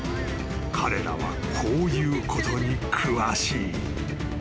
彼らはこういうことに詳しい］